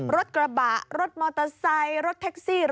รถกระบะรถมอเตอร์ไซค์รถเท็กซี่รถปอออล